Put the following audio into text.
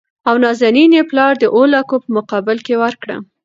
او نازنين يې پلار د اوولکو په مقابل کې ورکړه .